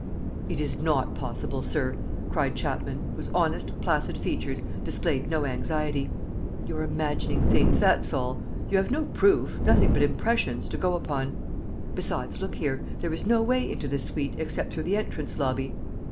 ... "It is not possible, sir!" cried Chapman, whose honest, placid features displayed no anxiety. "You're imagining things, that's all. ... You have no proof, nothing but impressions, to go upon. ... Besides, look here: there is no way into this suite except through the entrance lobby.